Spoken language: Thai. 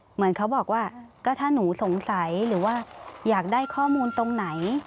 เหมือนเขาบอกว่าก็ถ้าหนูสงสัยหรือว่าอยากได้ข้อมูลตรงไหน